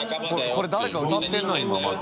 これ誰か歌ってるな今また。）